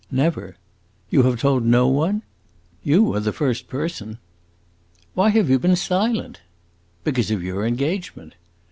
"Never." "You have told no one?" "You are the first person." "Why have you been silent?" "Because of your engagement."